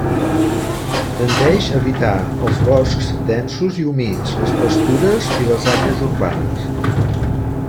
Tendeix a evitar els boscs densos i humits, les pastures i les àrees urbanes.